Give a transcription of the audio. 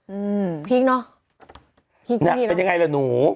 อือพีคเนอะพีคดีเนอะเป็นยังไงละหนู